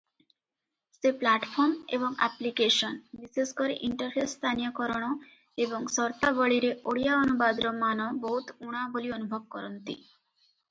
ସେ ପ୍ଲାଟଫର୍ମ ଏବଂ ଆପ୍ଲିକେସନ, ବିଶେଷକରି ଇଣ୍ଟରଫେସ୍ ସ୍ଥାନୀୟକରଣ ଏବଂ ସର୍ତ୍ତାବଳୀରେ ଓଡ଼ିଆ ଅନୁବାଦର ମାନ ବହୁତ ଊଣା ବୋଲି ଅନୁଭବ କରନ୍ତି ।